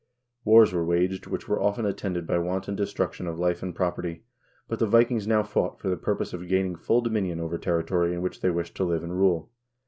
Wars were waged which were often attended by wanton destruction of life and property, but the Vikings now fought for the purpose of gaining full dominion over territory in which they wished to live and rule.